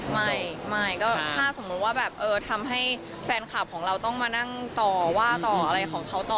ไม่ก็ถ้าสมมุติว่าแบบทำให้แฟนคลับของเราต้องมานั่งต่อว่าต่ออะไรของเขาต่อ